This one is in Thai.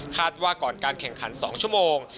ว่าก่อนการแข่งขัน๒ชั่วโมง